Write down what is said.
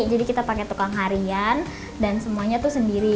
jadi kita pakai tukang harian dan semuanya tuh sendiri